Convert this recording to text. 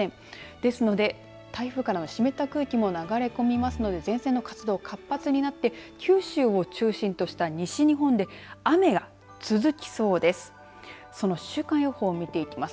ですので台風からの湿った空気も流れ込みますので前線の活動が活発になって九州を中心とした西日本で雨が続きそうです。